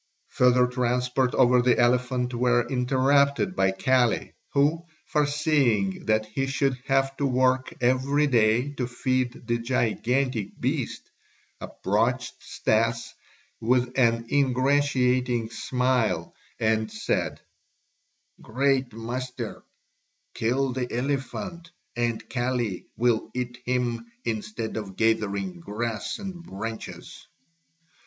Further transports over the elephant were interrupted by Kali who, foreseeing that he should have to work every day to feed the gigantic beast, approached Stas with an ingratiating smile and said: "Great master, kill the elephant, and Kali will eat him instead of gathering grass and branches."